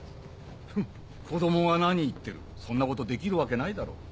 フン子供が何言ってるそんなことできるわけないだろ。